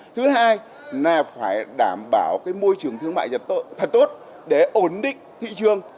thứ hai là phải đảm bảo cái môi trường thương mại thật tốt để ổn định thị trường